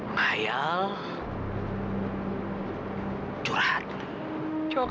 mainkan anda abang